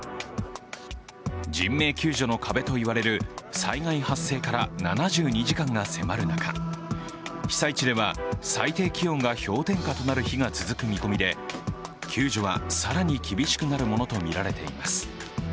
人命救助の壁と言われる災害発生から７２時間が迫る中、被災地では最低気温が氷点下となる日が続く見込みで救助は更に厳しくなるものとみられています。